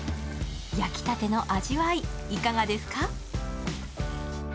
焼きたての味わいいかがですか？